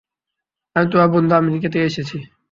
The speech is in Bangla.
আমি তোমার বন্ধু আমেরিকা থেকে এসেছি।